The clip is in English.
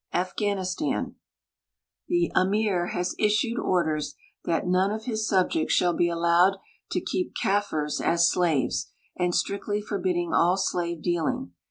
Afghanistan. The Amir has issued orders that none of his subjects sliall lie allowed to keep Kafirs as slaves, and strictly forbidding all .slave dealing.